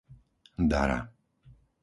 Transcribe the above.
Dara